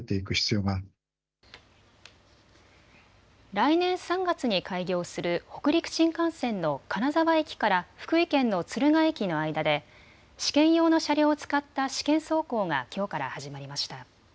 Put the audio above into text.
来年３月に開業する北陸新幹線の金沢駅から福井県の敦賀駅の間で試験用の車両を使った試験走行がきょうから始まりました。